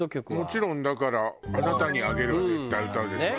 もちろんだから『あなたにあげる』は絶対歌うでしょ。